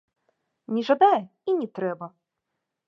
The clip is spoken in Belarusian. Не жадае, і не трэба.